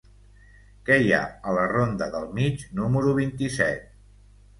Què hi ha a la ronda del Mig número vint-i-set?